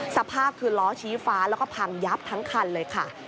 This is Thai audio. สภาพคือล้อชี้ฟ้าแล้วก็พังยับทั้งคันเลยค่ะ